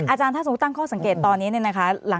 อาจารย์ถ้าสมมุติตั้งข้อสังเกตตอนนี้เนี่ยนะคะ